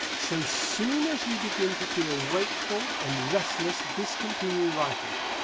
So soon as you begin to feel wakeful and restless discontinue writing.